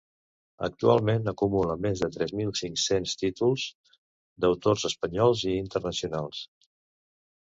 Actualment, acumula més de tres mil cinc-cents títols d’autors espanyols i internacionals.